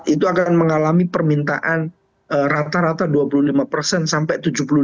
itu akan mengalami permintaan rata rata dua puluh lima sampai tujuh puluh lima